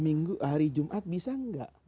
kalau hari jumat bisa gak